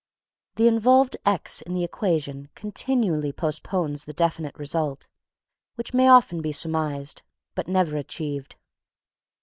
The involved x in the equation continually postpones the definite result, which may often be surmised, but never achieved.